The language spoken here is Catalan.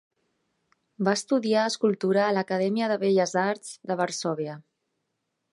Va estudiar escultura a l'Acadèmia de Belles Arts de Varsòvia.